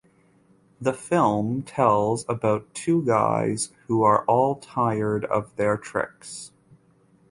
The film tells about two guys who are all tired of their tricks.